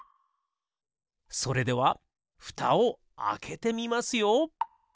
それではふたをあけてみますよ。